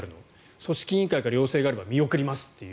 組織委員会から要請があれば見送りますという。